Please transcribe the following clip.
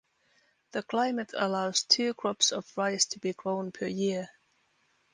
The climate allows two crops of rice to be grown per year.